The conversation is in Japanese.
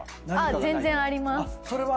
全然あります。